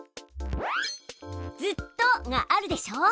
「ずっと」があるでしょ。